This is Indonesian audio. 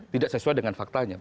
tidak sesuai dengan faktanya